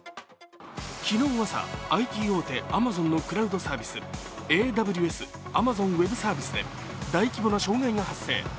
昨日朝、ＩＴ大手アマゾンのクラウドサービス、ＡＷＳ＝アマゾンウェブサービスで大規模な障害が発生。